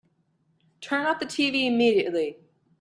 Turn off the tv immediately!